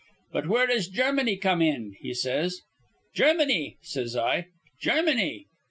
'But where does Germany come in?' he says. 'Germany!' says I, 'Germany!